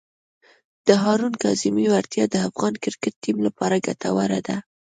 د هارون کاظمي وړتیا د افغان کرکټ ټیم لپاره ګټوره ده.